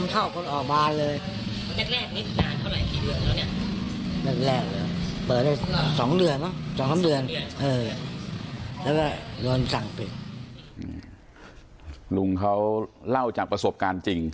ลุงเขาเล่าจากประสบการณ์จริง